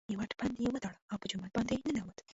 یو غټ پنډ یې وتاړه او په جومات باندې ننوت.